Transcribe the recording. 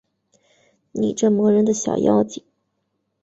你这磨人的小妖精